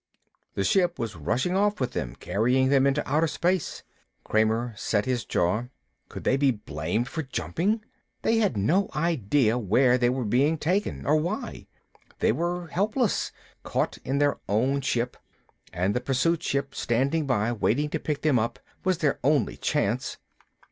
The ship was rushing off with them, carrying them into outer space. Kramer set his jaw. Could they be blamed for jumping? They had no idea where they were being taken, or why. They were helpless, caught in their own ship, and the pursuit ship standing by waiting to pick them up was their only chance.